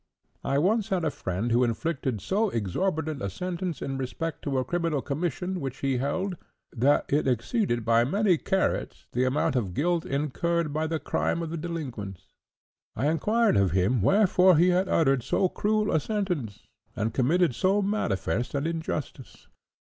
I once had a friend who inflicted so exorbitant a sentence in respect to a criminal commission which he held, that it exceeded by many carats the amount of guilt incurred by the crime of the delinquents. I inquired of him wherefore he had uttered so cruel a sentence, and committed so manifest an injustice?